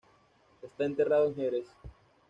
Está enterrado en Jerez.